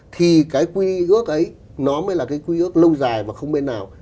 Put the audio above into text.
thì cái quy ước ấy nó mới là cái quy ước lâu dài và không bên nào